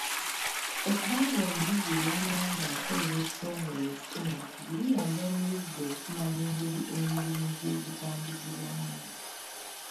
Ebbanga omuyizi ly'amala ng'akolera ekitongole okufuna obukugu liyamba omuyizi okumanya engeri omulimu gye gutambuzibwamu.